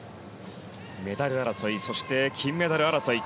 メダル争いそして金メダル争い。